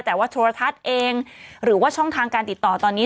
แต่ว่าโทรทัศน์เองหรือว่าช่องทางการติดต่อตอนนี้